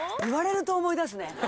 言われると思い出すね。